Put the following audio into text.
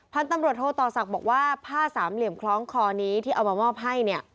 พันธุ์ตำรวจโทต่อศักดิ์บอกว่าผ้าสามเหลี่ยมคล้องคอนี้ที่เอามามอบให้เนี่ย